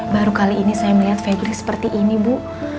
baru kali ini saya melihat fagli seperti ini bu